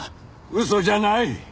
嘘じゃない！